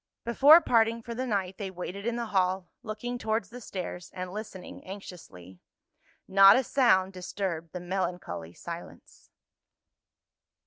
Before parting for the night they waited in the hall, looking towards the stairs, and listening anxiously. Not a sound disturbed the melancholy silence.